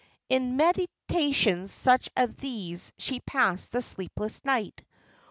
In meditations such as these she passed the sleepless night.